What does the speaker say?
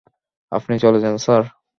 আপনি চলে যান, স্যার।